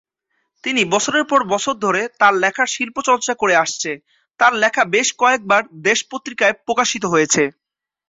তিনি বছরের পর বছর ধরে তার লেখার শিল্প চর্চা করে আসছে; তার লেখা বেশ কয়েকবার "দেশ" পত্রিকায় প্রকাশিত হয়েছে।